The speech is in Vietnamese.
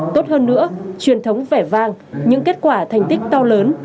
tốt hơn nữa truyền thống vẻ vang những kết quả thành tích to lớn